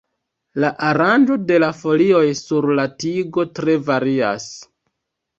La aranĝo de la folioj sur la tigo tre varias.